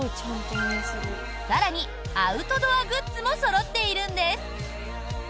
更に、アウトドアグッズもそろっているんです。